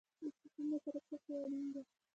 د سکون لپاره څه شی اړین دی؟